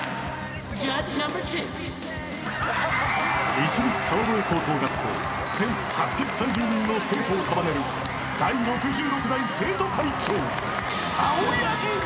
［市立川越高等学校全８３０人の生徒を束ねる第６６代生徒会長］